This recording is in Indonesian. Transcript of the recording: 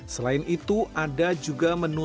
selain itu ada juga menu